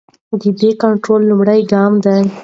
دا د کنټرول لومړنی ګام وي.